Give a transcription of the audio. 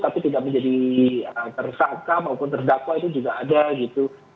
tapi tidak menjadi tersangka maupun terdakwa itu juga ada gitu